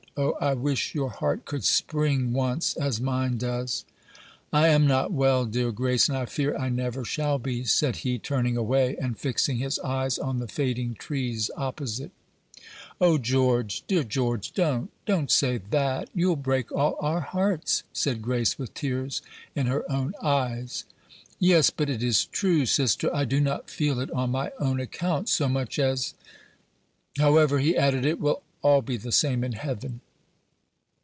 O, I wish your heart could spring once, as mine does." "I am not well, dear Grace, and I fear I never shall be," said he, turning away, and fixing his eyes on the fading trees opposite. "O George! dear George, don't, don't say that; you'll break all our hearts," said Grace, with tears in her own eyes. "Yes, but it is true, sister: I do not feel it on my own account so much as However," he added, "it will all be the same in heaven."